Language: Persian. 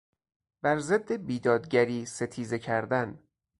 بر ضد بیدادگری ستیزه کردن